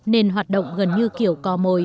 nên hoạt động gần như kiểu có